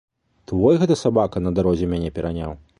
Твой гэта сабака на дарозе мяне пераняў?